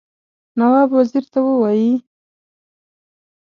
نواب وزیر ته ووايي.